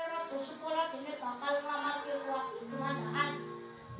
pak muji dan sanggar sarotama adalah yang memelopori penyelenggaraan acara ini